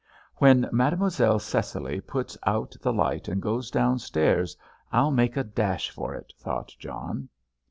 "When Mademoiselle Cecily puts out the light and goes downstairs, I'll make a dash for it," thought John.